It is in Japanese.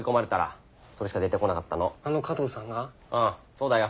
そうだよ。